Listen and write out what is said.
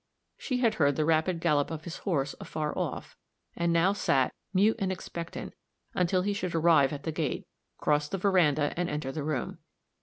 She had heard the rapid gallop of his horse afar off, and now sat; mute and expectant, until he should arrive at the gate, cross the veranda and enter the room.